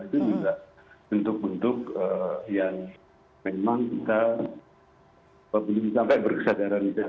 itu juga bentuk bentuk yang memang kita belum sampai berkesadaran